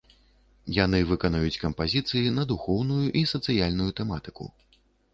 Яны выканаюць кампазіцыі на духоўную і сацыяльную тэматыку.